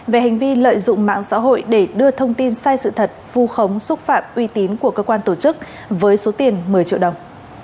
về hành vi lợi dụng mạng xã hội để đưa thông tin sai sự thật vu khống xúc phạm uy tín của cơ quan tổ chức với số tiền một mươi triệu đồng